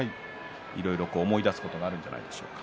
いろいろと思い出すことがあるんじゃないですか。